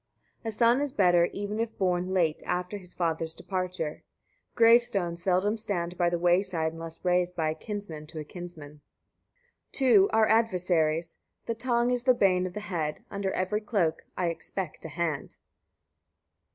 72. A son is better, even if born late, after his father's departure. Gravestones seldom stand by the way side unless raised by a kinsman to a kinsman. 73. Two are adversaries: the tongue is the bane of the head: under every cloak I expect a hand.